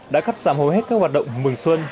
đã cắt giảm hầu hết các hoạt động mừng xuân